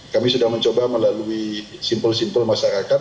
kami sudah mencoba melalui simpul simpul masyarakat